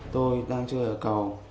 tôi đang chơi ở cầu